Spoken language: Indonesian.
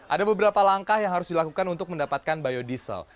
ada beberapa langkah yang harus dilakukan untuk mendapatkan biodiesel